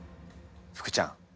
福ちゃん。